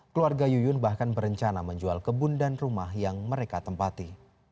keluarga yuyun bahkan berencana menjual kebun dan rumah yang mereka tempati